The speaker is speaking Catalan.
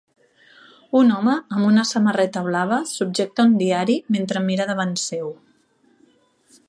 Un home amb una samarreta blava subjecta un diari mentre mira davant seu.